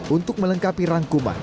untuk melengkapi rangkuman